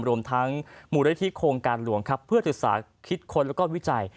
รวมทั้งมูลวิธีโครงการหลวงเพื่อศึกษาคิดค้นและวิจัย